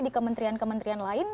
di kementerian kementerian lain